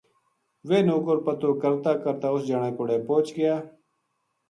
ویہ نوکر پتو کرتا کرتا اُس جنا کوڑے پوہچ گیا